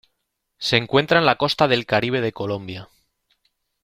Se encuentra en la costa del Caribe de Colombia.